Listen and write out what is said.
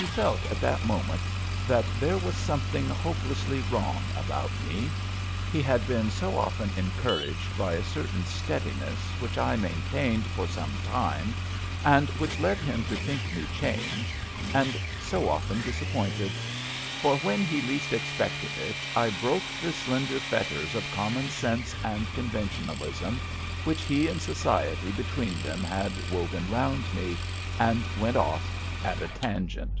He felt at that moment that there was something hopelessly wrong about me. He had been so often encouraged by a certain steadiness which I maintained for some time, and which led him to think me changed, and so often disappointed; for when he least expected it I broke the slender fetters of common sense and conventionalism, which he and society between them had woven round me, and went off at a tangent.